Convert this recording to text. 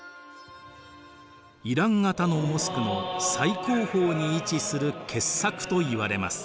イラン型のモスクの最高峰に位置する傑作といわれます。